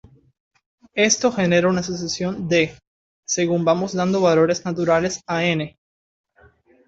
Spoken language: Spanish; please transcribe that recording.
Esto genera una sucesión {"d"} según vamos dando valores naturales a "n".